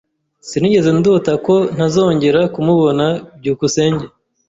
Sinigeze ndota ko ntazongera kumubona. byukusenge